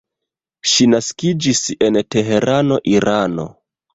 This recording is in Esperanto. Ŝi naskiĝis en Teherano, Irano.